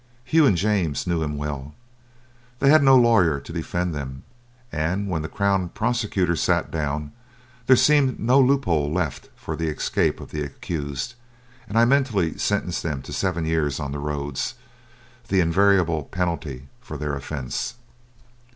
Hugh and James knew him well. They had no lawyer to defend them, and when the Crown Prosecutor sat down, there seemed no loophole left for the escape of the accused, and I mentally sentenced them to seven years on the roads, the invariable penalty for their offence.